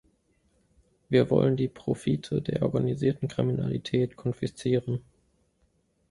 Wir wollen die Profite der organisierten Kriminalität konfiszieren.